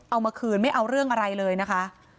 เอามาคืนไม่เอาเรื่องอะไรเลยนะคะ